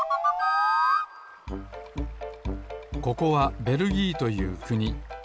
ここはベルギーというくに。